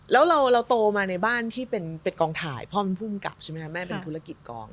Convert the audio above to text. แล้วเราโตมาในบ้านที่เป็นกองถ่ายพ่อเป็นภูมิกับใช่ไหมคะแม่เป็นธุรกิจกอง